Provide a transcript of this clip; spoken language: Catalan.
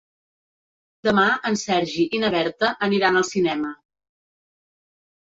Demà en Sergi i na Berta aniran al cinema.